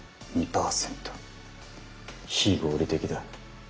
非合理的だ。